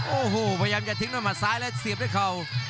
โอ้โหพยายามจะทิ้งด้วยหมัดซ้ายและเสียบด้วยเข่า